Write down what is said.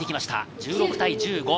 １６対１５。